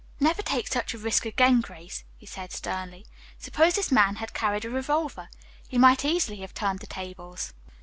"Never take such a risk again, Grace," he said sternly. "Suppose this man had carried a revolver. He might easily have turned the tables."